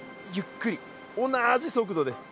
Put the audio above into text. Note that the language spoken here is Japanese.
同じ速度です。